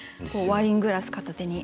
ワイングラス片手に。